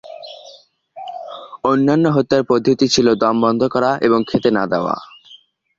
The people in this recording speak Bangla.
অন্যান্য হত্যার পদ্ধতি ছিল দম বন্ধ করা এবং খেতে না-দেওয়া।